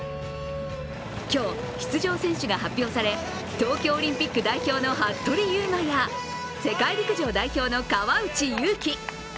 今日、出場選手が発表され、東京オリンピック代表の服部勇馬や世界陸上代表の川内優輝。